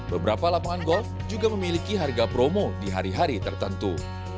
beberapa lapangan golf juga memiliki harga promo di hari hari tertentu